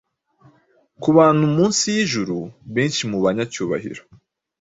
Kubantu munsi yijuru Benshi mu banyacyubahiro